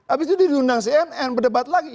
abis itu diundang cnn berdebat lagi